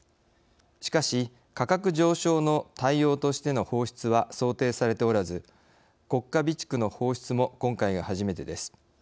しかし、価格上昇の対応としての放出は想定されておらず国家備蓄の放出も今回が初めてです。